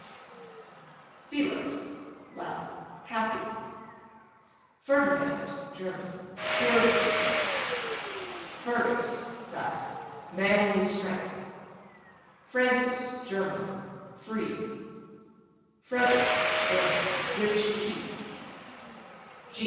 F Felix, Latin, happy. Ferdinand, German, pure peace. Fergus, Saxon, manly strength. Francis, German, free. Frederic, German, rich peace.